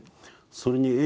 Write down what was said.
それにＡ